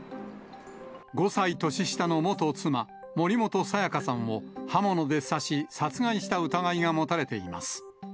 ５歳年下の元妻、森本彩加さんを刃物で刺し、殺害した疑いが持たれています。